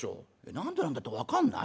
『何でなんだ？』って分かんない？